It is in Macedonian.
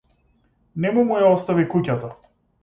Нему му ја остави куќата.